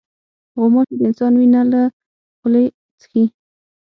غوماشې د انسان وینه له خولې څښي.